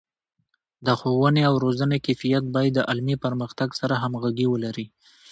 د ښوونې او روزنې کیفیت باید د علمي پرمختګ سره همغږي ولري.